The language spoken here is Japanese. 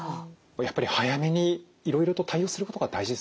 やっぱり早めにいろいろと対応することが大事ですね。